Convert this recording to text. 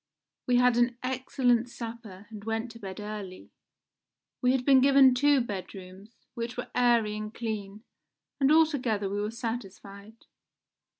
We had an excellent supper and went to bed early. We had been given two bedrooms, which were airy and clean, and altogether we were satisfied.